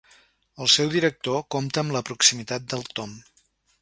El seu director compta amb la proximitat del Tom.